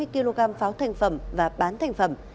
hai mươi kg pháo thành phẩm và bán thành phẩm